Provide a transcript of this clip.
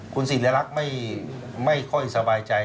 คุณศิริรักษ์ไม่ค่อยสบายใจ